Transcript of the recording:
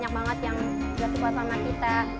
walaupun banyak yang tidak suka sama kita